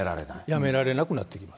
やめられなくなってくる。